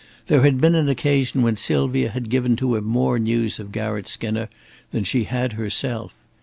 There had been an occasion when Sylvia had given to him more news of Garratt Skinner than she had herself.